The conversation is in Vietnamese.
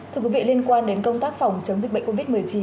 thưa quý vị liên quan đến công tác phòng chống dịch bệnh covid một mươi chín